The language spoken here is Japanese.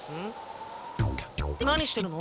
何してるの？